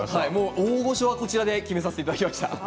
大御所はこちらに決めさせていただきました。